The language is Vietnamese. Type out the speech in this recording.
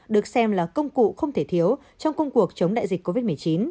được xem là công cụ không thể thiếu trong công cuộc chống đại dịch covid một mươi chín